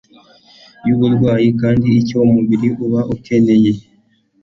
yuburwayi kandi icyo umubiri uba ukeneye